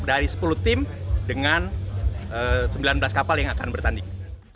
dari sepuluh tim dengan sembilan belas kapal yang akan bertanding